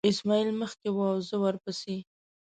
اسماعیل مخکې و او زه ورپسې.